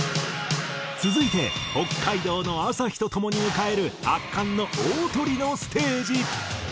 続いて北海道の朝陽とともに迎える圧巻の大トリのステージ。